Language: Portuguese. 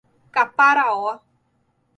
Caparaó